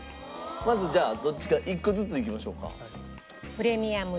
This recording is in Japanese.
まずじゃあどっちか１個ずついきましょうか。